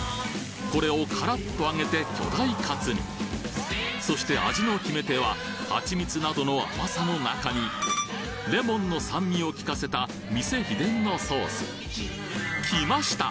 これをカラッと揚げて巨大カツにそして味の決め手は蜂蜜などの甘さの中にレモンの酸味をきかせた店秘伝のソースきました！